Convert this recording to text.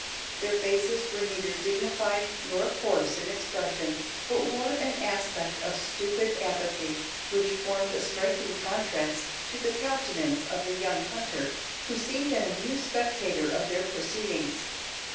Their faces were neither dignified nor coarse in expression, but wore an aspect of stupid apathy, which formed a striking contrast to the countenance of the young hunter, who seemed an amused spectator of their proceedings.